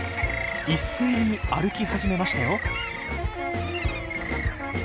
一斉に歩き始めましたよ。